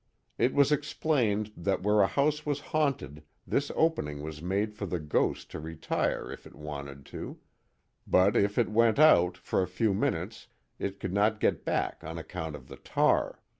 It was explained that where a house was haunted this opening was made for the ghost to retire if it wanted to. But if it went out, for a few minutes, it could not get back on account of the tar.